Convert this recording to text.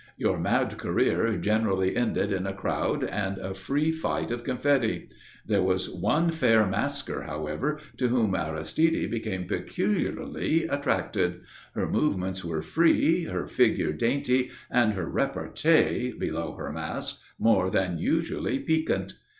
Your mad career generally ended in a crowd and a free fight of confetti. There was one fair masquer, however, to whom Aristide became peculiarly attracted. Her movements were free, her figure dainty and her repartee, below her mask, more than usually piquant.